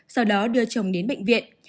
sau đó đưa chồng đến bệnh viện